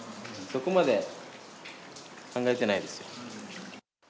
そこまで考えてないですよ。